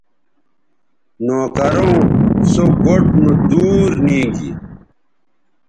نوکروں سو گوٹھ نودور نیگی